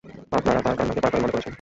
আপনারা তার কান্নাকে পাগলামি মনে করেছেন।